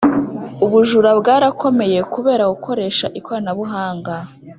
Ubujura bwarakomeye kubera gukoresha ikoranabuhanga